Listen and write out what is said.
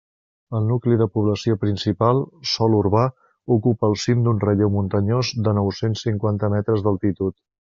El nucli de població principal, sòl urbà, ocupa el cim d'un relleu muntanyós de nou-cents cinquanta metres d'altitud.